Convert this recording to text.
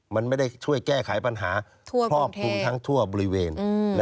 มันไม่ได้ช่วยแก้ไขปัญหาครอบคลุมทั้งทั่วบริเวณ